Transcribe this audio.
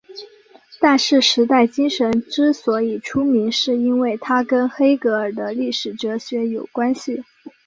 但是时代精神之所以出名是因为它跟黑格尔的历史哲学有关系。